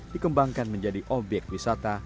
dikembangkan menjadi objek wisata